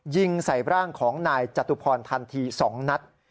ยิงใส่ร่างของนายจตุพรทันที๒นัด